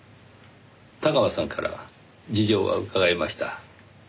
田川さんから事情は伺いました。